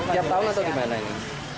tiap tahun atau gimana ini